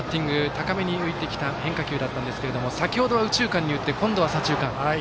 高めに浮いてきた変化球だったんですけれども先ほどは右中間に打って今度は左中間。